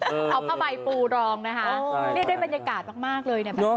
เอาภาวะใหม่ปูรองนะคะด้วยบรรยากาศมากเลย